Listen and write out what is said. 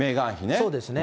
そうですね。